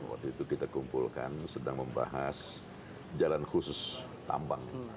waktu itu kita kumpulkan sedang membahas jalan khusus tambang